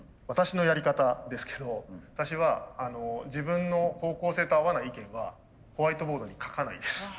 私のやり方ですけど私は自分の方向性と合わない意見はホワイトボードに書かないです。